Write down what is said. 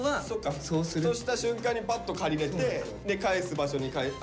ふとした瞬間にパッと借りれて返す場所に返す。